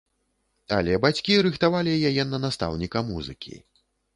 Але бацькі рыхтавалі яе на настаўніка музыкі.